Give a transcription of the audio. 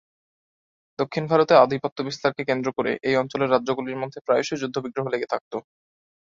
দক্ষিণ ভারতে আধিপত্য বিস্তারকে কেন্দ্র করে এই অঞ্চলের রাজ্যগুলির মধ্যে প্রায়শই যুদ্ধবিগ্রহ লেগে থাকত।